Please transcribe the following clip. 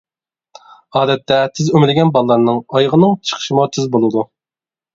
ئادەتتە، تېز ئۆمىلىگەن بالىلارنىڭ ئايىغىنىڭ چىقىشىمۇ تېز بولىدۇ.